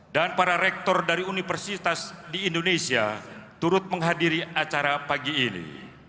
dan para rektor dari universitas di indonesia turut menghadiri acara pagi ini